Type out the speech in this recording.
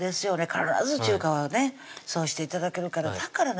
必ず中華はねそうして頂けるからだからね